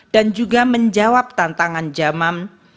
dan juga menjawab tantangan zaman